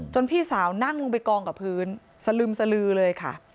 พี่สาวนั่งลงไปกองกับพื้นสลึมสลือเลยค่ะ